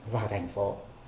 và thành phố